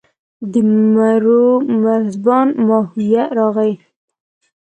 د مرو مرزبان ماهویه راغی.